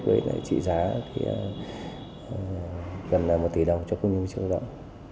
với trị giá gần một tỷ đồng cho công nhân viên chức lao động